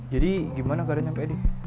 jadi gimana keadaan nyampe edi